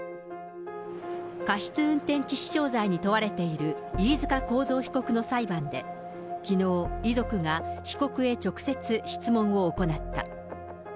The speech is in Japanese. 過失運転致死傷罪に問われている飯塚幸三被告の裁判で、きのう、遺族が被告へ直接質問を行った。